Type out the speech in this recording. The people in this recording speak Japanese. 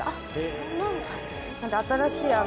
そうなんだ。